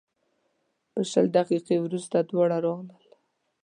په شل دقیقې وروسته دواړه راغلل.